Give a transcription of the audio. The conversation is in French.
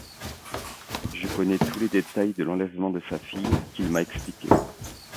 Je connais tous les détails de l'enlèvement de sa fille qu'il m'a expliqué.